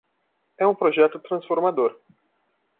É um projeto transformador